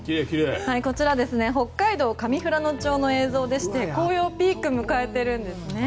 こちら北海道上富良野町の映像でして紅葉、ピークを迎えているんですね。